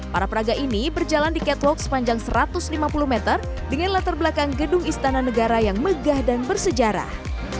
para peraga ini berjalan di catwalk sepanjang satu ratus lima puluh meter dengan latar belakang gedung istana negara yang megah dan bersejarah